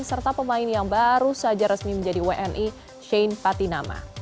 serta pemain yang baru saja resmi menjadi wni shane patinama